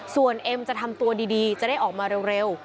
ส่วนเอ็มจะทำตัวดีจะได้ออกมาเร็ว